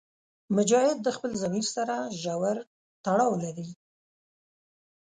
مجاهد د خپل ضمیر سره ژور تړاو لري.